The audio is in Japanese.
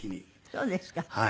そうですか。